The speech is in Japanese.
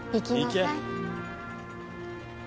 行け！